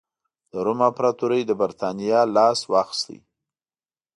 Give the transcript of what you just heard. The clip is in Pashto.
د روم امپراتورۍ له برېټانیا لاس واخیست